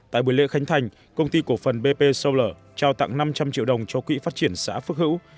tại buổi lễ khánh thành công ty cổ phần bp solar trao tặng năm trăm linh triệu đồng cho quỹ phát triển xã phước hữu